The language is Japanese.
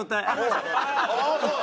ああもう。